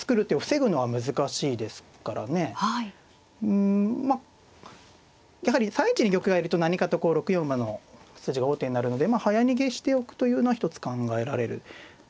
うんまあやはり３一に玉がいると何かとこう６四馬の筋が王手になるので早逃げしてしておくというのは一つ考えられる。